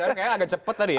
kayaknya agak cepet tadi ya